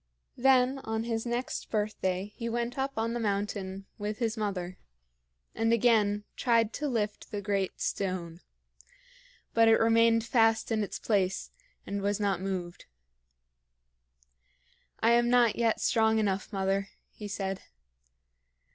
Then on his next birthday he went up on the mountain with his mother, and again tried to lift the great stone. But it remained fast in its place and was not moved. "I am not yet strong enough, mother," he said.